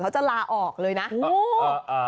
จะลาออกเลยนะ